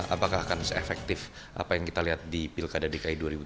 apakah akan se efektif apa yang kita lihat di pilkada dki dua ribu tujuh belas